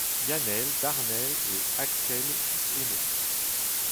Yanel, Darnel et Axelle Fils-Aimé.